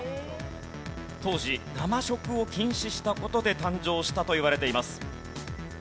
当時生食を禁止した事で誕生したといわれています。